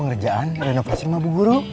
cilak cilak cilak